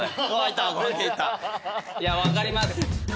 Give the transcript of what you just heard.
いや分かります。